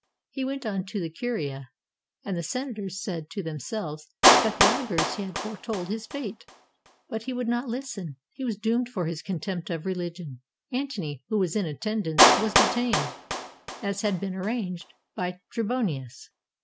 He went on to the Curia, and the senators said to them selves that the augurs had foretold his fate, but he would not listen; he was doomed for his "contempt of religion." Antony, who was in attendance, was detained, as had been arranged, by Trebonius.